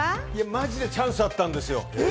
マジでチャンスあったんですよ。